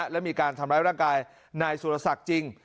และมีการทำร้ายร่างกายนายสุรศักดิ์จริง